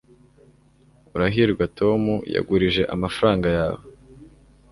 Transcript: urahirwa tom yagurije amafaranga yawe